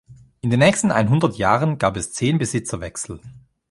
In den nächsten einhundert Jahren gab es zehn Besitzerwechsel.